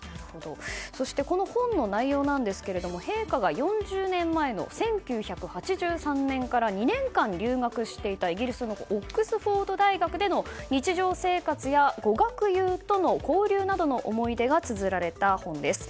そしてこの本の内容なんですが陛下が、４０年前の１９８３年から２年間留学していたイギリスのオックスフォード大学での日常生活やご学友との交流などの思い出がつづられた本です。